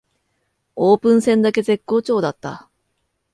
オープン戦だけ絶好調だった